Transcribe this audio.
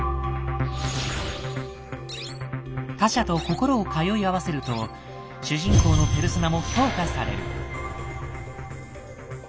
他者と心を通い合わせると主人公のペルソナも強化される。